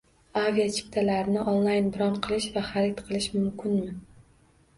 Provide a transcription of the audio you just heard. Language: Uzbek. Aviachiptalarini onlayn bron qilish va xarid qilish mumkinmi?